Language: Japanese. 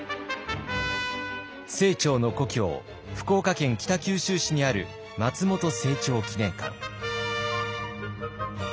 清張の故郷福岡県北九州市にある松本清張記念館。